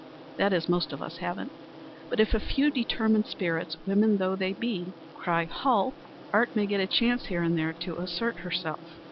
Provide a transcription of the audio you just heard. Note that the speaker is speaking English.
That is, most of us haven't. But if a few determined spirits women though they be cry 'halt,' art may get a chance here and there to assert herself.